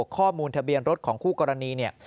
ข้อมูลทะเบียงรถของคู่กรณี